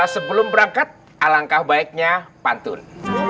sebelum berangkat alangkah baiknya pantun